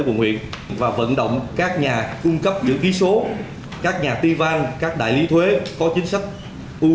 quận huyện và vận động các nhà cung cấp giữ ký số các nhà ti vang các đại lý thuế có chính sách ưu